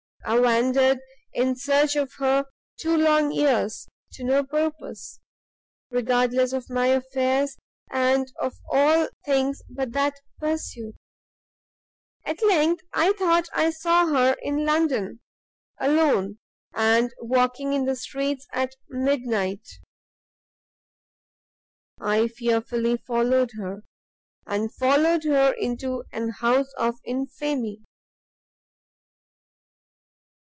I wandered in search of her two long years to no purpose, regardless of my affairs, and of all things but that pursuit. At length, I thought I saw her in London, alone, and walking in the streets at midnight, I fearfully followed her, and followed her into an house of infamy!